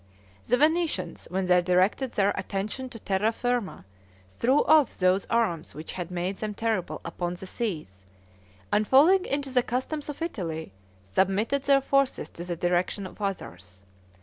The Venetians, when they directed their attention to terra firma, threw off those arms which had made them terrible upon the seas, and falling into the customs of Italy, submitted their forces to the direction of others.